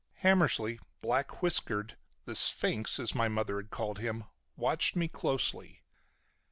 Hammersly, black whiskered, the "sphinx" as my mother had called him, watched me closely.